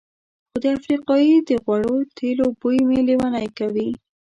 خو د افریقایي د غوړو تېلو بوی مې لېونی کوي.